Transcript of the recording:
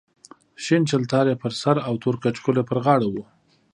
شین چلتار یې پر سر او تور کچکول یې پر غاړه و.